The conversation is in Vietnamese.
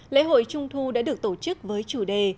lễ hội trung thu đã được tổ chức với chủ đề